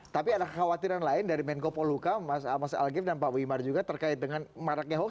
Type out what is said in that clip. tapi ada khawatiran lain dari menko poluka mas algif dan pak wimar juga terkait dengan maraknya hoax